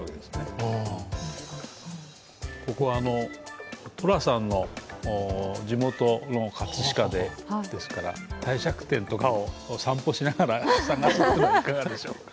ここは、寅さんの地元の葛飾ですから帝釈天とかを散歩しながら探すのはいかがでしょうか。